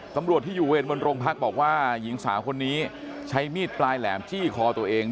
ตำรวจที่อยู่เวรบนโรงพักบอกว่าหญิงสาวคนนี้ใช้มีดปลายแหลมจี้คอตัวเอง